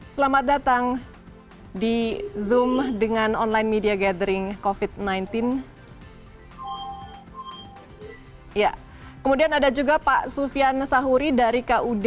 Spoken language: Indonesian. selamat datang di zoom dengan online media gathering kofit sembilan belas ya kemudian ada juga pak sufyan sahuri dari